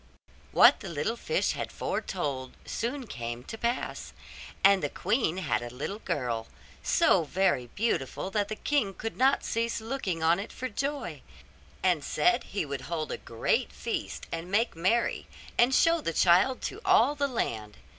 What the little fish had foretold soon came to pass; and the queen had a little girl, so very beautiful that the king could not cease looking on it for joy, and said he would hold a great feast and make merry, and show the child to all the land.